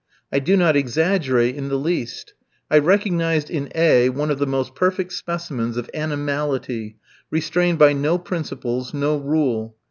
I do not exaggerate in the least; I recognised in A f one of the most perfect specimens of animality, restrained by no principles, no rule.